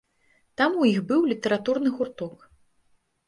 Там у іх быў літаратурны гурток.